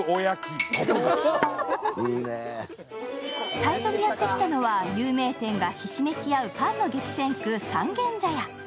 最初にやってきたのは有名店がひしめくパンの激戦区、三軒茶屋。